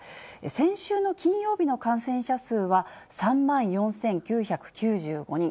先週の金曜日の感染者数は３万４９９５人。